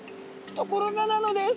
ところがなのです！